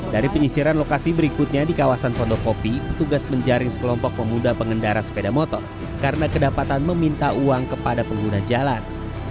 dari penyisiran lokasi berikutnya di kawasan pondokopi petugas menjaring sekelompok pemuda pengendara sepeda motor karena kedapatan meminta uang kepada pengguna jalan